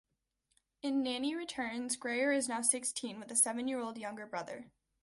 In "Nanny Returns", Grayer is now sixteen with a seven-year-old younger brother.